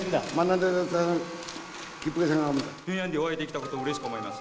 平壌でお会いできたことをうれしく思います。